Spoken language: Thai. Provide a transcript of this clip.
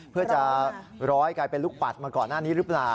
เพื่อจะร้อยกลายเป็นลูกปัดมาก่อนหน้านี้หรือเปล่า